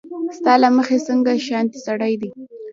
ستا له مخې څنګه شانتې سړی دی